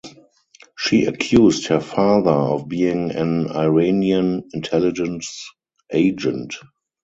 She accused her father of being an Iranian intelligence agent.